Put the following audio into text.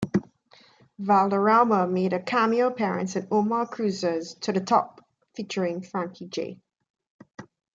Valderrama made a cameo appearance in Omar Cruz's "To The Top" featuring Frankie J.